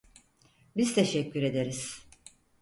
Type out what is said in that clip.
Biz teşekkür ederiz.